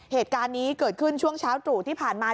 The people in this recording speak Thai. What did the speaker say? เหตุการณ์นี้เกิดขึ้นช่วงเช้าตรู่ที่ผ่านมา